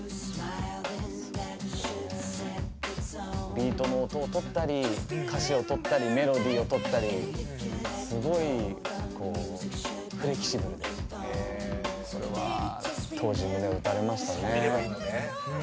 ビートの音をとったり歌詞をとったりメロディーをとったりすごいフレキシブルでこれは当時胸を打たれましたね。